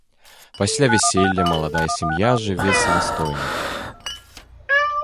Пасля вяселля маладая сям'я жыве самастойна.